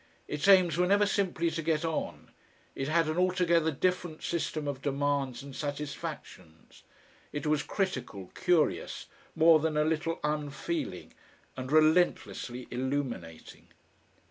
Its aims were never simply to get on; it had an altogether different system of demands and satisfactions. It was critical, curious, more than a little unfeeling and relentlessly illuminating.